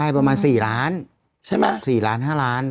ประมาณสี่ล้านสี่ล้านห้าร้าน